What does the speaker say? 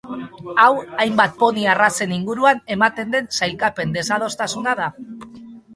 Hau hainbat poni arrazen inguruan ematen den sailkapen desadostasuna da.